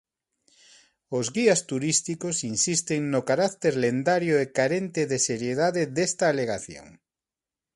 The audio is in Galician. Os guías turísticos insisten no carácter lendario e carente de seriedade desta alegación.